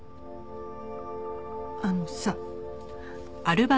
あのさ。